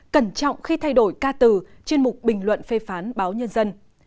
cẩn trọng khi thay đổi ca từ trên một bình luận phê phán báo nhân dân